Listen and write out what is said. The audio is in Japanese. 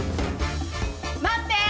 待って！